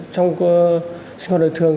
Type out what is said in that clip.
trong sinh hoạt đời thường